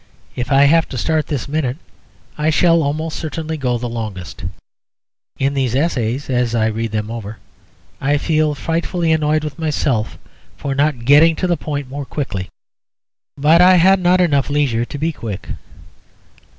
If I have to start this minute, I shall almost certainly go the longest. In these essays (as I read them over) I feel frightfully annoyed with myself for not getting to the point more quickly; but I had not enough leisure to be quick.